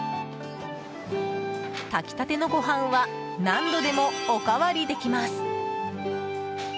炊きたてのご飯は何度でもおかわりできます。